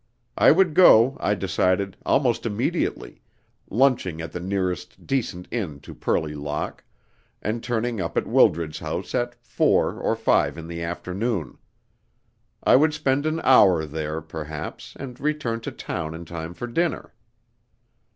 I would go, I decided, almost immediately, lunching at the nearest decent inn to Purley Lock, and turning up at Wildred's house at four or five in the afternoon. I would spend an hour there, perhaps, and return to town in time for dinner.